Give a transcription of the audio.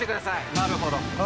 なるほど。